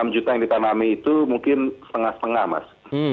enam juta yang ditanami itu mungkin setengah setengah mas